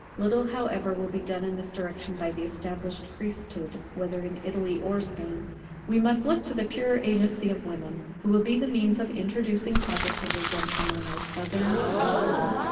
Little, however, will be done in this direction by the established priesthood, whether in Italy or Spain. We must look to the purer agency of women, who will be the means of introducing Positivism among our Southern brethren.